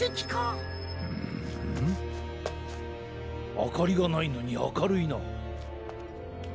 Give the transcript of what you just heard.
あかりがないのにあかるいな。